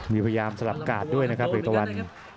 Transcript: มีพยายามสลับกาดด้วยนะครับเอกตะวัน